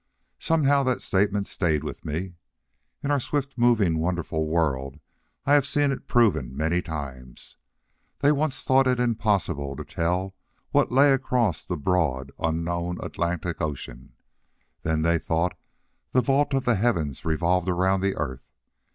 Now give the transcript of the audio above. Somehow, that statement stayed with me. In our swift moving wonderful world I have seen it proven many times. They once thought it impossible to tell what lay across the broad, unknown Atlantic Ocean. They thought the vault of the heavens revolved around the earth.